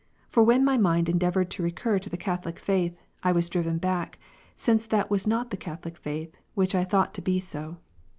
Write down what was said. For when my mind endeavoured to recur to the Catholic faith, I was driven back, since that was not the Catholic faith, which I thought to be so.